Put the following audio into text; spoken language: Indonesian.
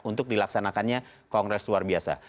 untuk dilaksanakannya kongres luar biasa